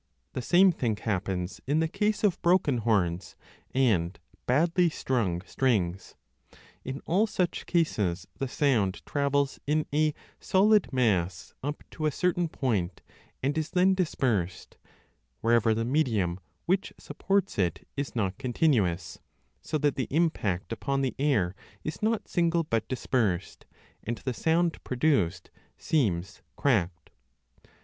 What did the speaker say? The same thing happens in the case of broken horns and badly strung strings ; in all such cases the sound travels in a solid mass up to a certain point and 8o4 b is then dispersed, wherever the medium which supports it is not continuous, so that the impact upon the air is not single but dispersed, and the sound produced seems cracked.